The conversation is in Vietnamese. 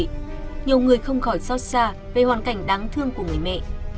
nhiều người không khỏi xót xa về hoàn cảnh đáng thương của người mẹ